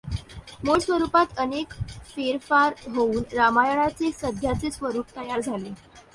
मूळ स्वरूपात अनेक फेरफार होऊन रामायणाचे सध्याचे स्वरूप तयार झाले.